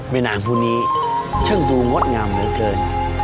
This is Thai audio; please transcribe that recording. เมน่าหญิงภูนี้เชิงดูงดงามเหลือเกิน